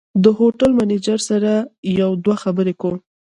د هوټل منیجر سره یو دوه خبرې کوم.